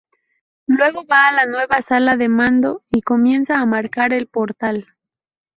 Luego va a la nueva sala de mando y comienza a marcar el Portal.